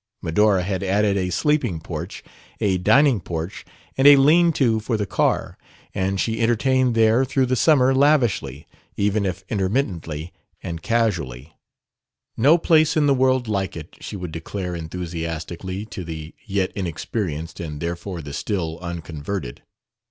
Medora had added a sleeping porch, a dining porch and a lean to for the car; and she entertained there through the summer lavishly, even if intermittently and casually. "No place in the world like it!" she would declare enthusiastically to the yet inexperienced and therefore the still unconverted.